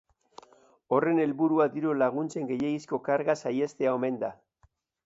Horren helburua diru-laguntzen gehiegizko karga saihestea omen da.